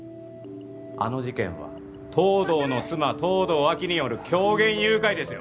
あの事件は東堂の妻東堂亜希による狂言誘拐ですよ